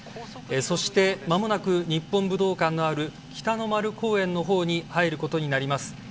そして、まもなく日本武道館がある北の丸公園のほうに入ることになります。